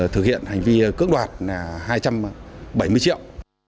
thực hiện hành vi cưỡng đoạt hai trăm bảy mươi triệu